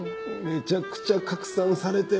めちゃくちゃ拡散されてるよ。